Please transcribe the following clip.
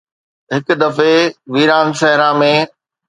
هڪ دفعي ويران صحرا ۾